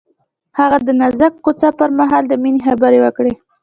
هغه د نازک کوڅه پر مهال د مینې خبرې وکړې.